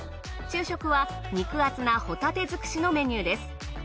昼食は肉厚なホタテ尽くしのメニューです。